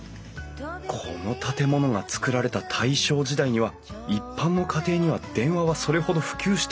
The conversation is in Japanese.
この建物が造られた大正時代には一般の家庭には電話はそれほど普及していなかったはず。